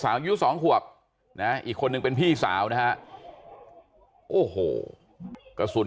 อายุสองขวบนะอีกคนนึงเป็นพี่สาวนะฮะโอ้โหกระสุน